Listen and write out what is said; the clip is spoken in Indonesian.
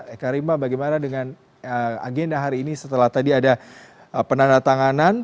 eka rima bagaimana dengan agenda hari ini setelah tadi ada penandatanganan